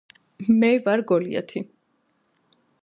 მე ვარ გოლიათი